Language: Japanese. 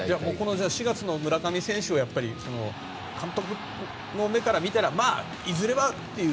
じゃあ、４月の村上選手は監督の目から見たらまあ、いずれはっていう。